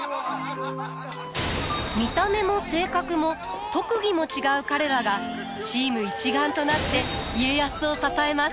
見た目も性格も特技も違う彼らがチーム一丸となって家康を支えます。